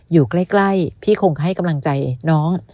อยู่ใกล้พี่คงให้กำลังใจน้อง